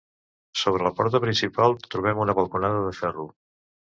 Sobre la porta principal trobem una balconada de ferro.